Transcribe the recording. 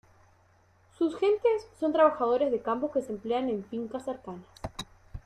Sus gentes son trabajadores de campos que se emplean en fincas cercanas.